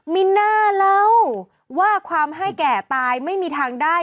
มีน่าเล่าว่าความให้แก่ตายไม่มีทางได้